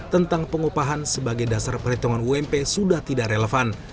tentang pengupahan sebagai dasar perhitungan ump sudah tidak relevan